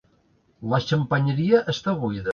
La xampanyeria està buida.